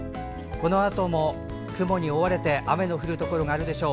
このあとも雲に覆われて雨の降るところがあるでしょう。